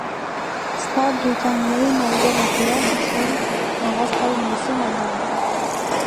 ستا بریتانوي ملګرې، په یاد دې شول؟ هغه ستا انګلیسۍ ملګرې.